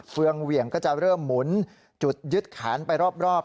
ืองเหวี่ยงก็จะเริ่มหมุนจุดยึดแขนไปรอบ